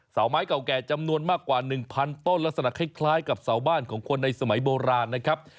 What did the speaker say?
เสาไม้เก่าแก่จำนวนมากกว่า๑๐๐ต้นลักษณะคล้ายกับเสาบ้านของคนในสมัยโบราณนะครับ